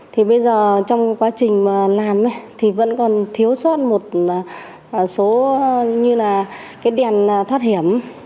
thì bây giờ trong quá trình làm thì vẫn còn thiếu sót một số như là cái đèn thoát hiểm